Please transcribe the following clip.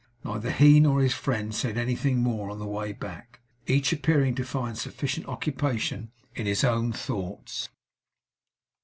Neither he nor his friend said anything more on the way back; each appearing to find sufficient occupation in his own thoughts.